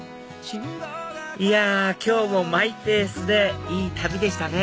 いや今日もマイペースでいい旅でしたね